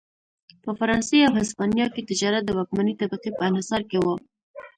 په فرانسې او هسپانیا کې تجارت د واکمنې طبقې په انحصار کې و.